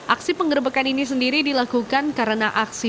aksi pengerebekan ini sendiri dilakukan karena aksi